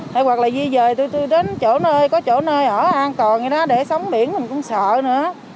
hay hoặc là gì về tụi tôi đến chỗ nơi có chỗ nơi ở an toàn vậy đó để sóng biển mình cũng sợ nữa